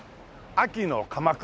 秋の鎌倉。